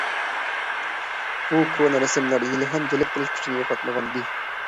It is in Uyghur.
بۇ كونا رەسىملەر ھېلىھەم جەلپ قىلىش كۈچىنى يوقاتمىغانىدى.